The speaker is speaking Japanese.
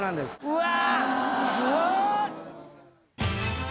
うわ！